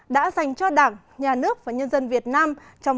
đã dành cho đảng nhà nước và nhân dân việt nam